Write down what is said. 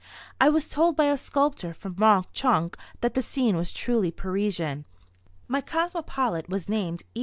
I was told by a sculptor from Mauch Chunk that the scene was truly Parisian. My cosmopolite was named E.